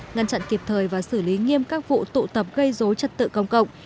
ngăn chặn kịp thời và xử lý nghiêm các vụ tụ tập gây dối trật tự công cộng